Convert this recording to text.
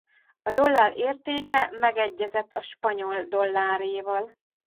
A dollár értéke megegyezett a spanyol dolláréval.